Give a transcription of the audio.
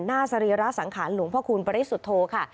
สรีระสังขารหลวงพระคุณปริสุทธโธค่ะ